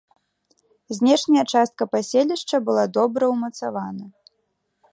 Знешняя частка паселішча была добра ўмацавана.